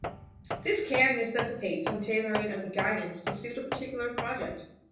This can necessitate some tailoring of the guidance to suit a particular project.